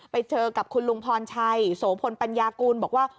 ไปเจอกับคุณลุงพรชัยโสพลปัญญากูลบอกว่า